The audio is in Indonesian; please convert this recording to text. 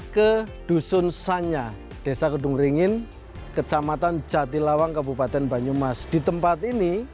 ke dusun sanya desa kedung ringin kecamatan jatilawang kabupaten banyumas di tempat ini